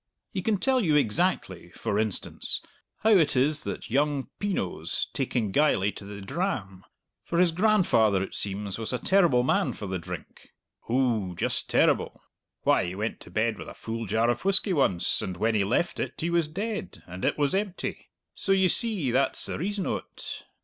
He can tell you exactly, for instance, how it is that young Pin oe's taking geyly to the dram; for his grandfather, it seems, was a terrible man for the drink ou, just terrible. Why, he went to bed with a full jar of whisky once, and when he left it he was dead, and it was empty. So, ye see, that's the reason o't.